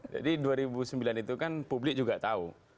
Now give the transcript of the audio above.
jadi dua ribu sembilan itu kan publik juga tahu